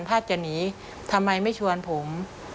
ถ้าจะหนีทำไมไม่ชวนผม